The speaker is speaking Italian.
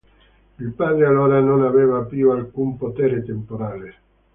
Il padre allora non aveva più alcun potere temporale.